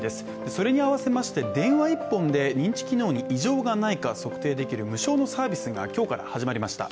それに合わせまして電話一本で認知機能に異常がないか測定できる無償のサービスが今日から始まりました。